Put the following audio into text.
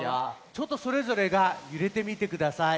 ちょっとそれぞれがゆれてみてください。